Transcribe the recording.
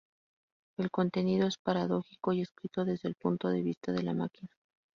El contenido es paradójico y escrito desde el punto de vista de la máquina.